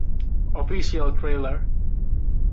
Official trailer